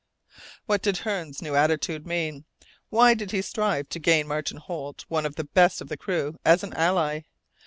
What did Hearne's new attitude mean? Why did he strive to gain Martin Holt, one of the best of the crew, as an ally?